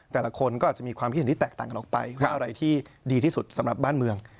แต่ละคนก็อาจจะมีความคิดเห็นที่แตกต่างกันออกไปว่าอะไรที่ดีที่สุดสำหรับบ้านเมือง